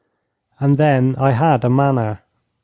And then I had a manner.